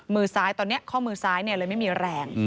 มือซ้ายตอนนี้ข้อมือซ้ายเลยไม่มีแรง